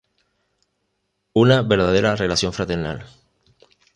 Una verdadera relación fraternal.